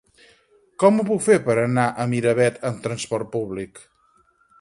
Com ho puc fer per anar a Miravet amb trasport públic?